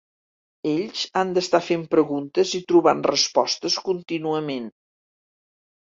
Ells han d"estar fent preguntes i trobant respostes contínuament.